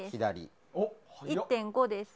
１．２です。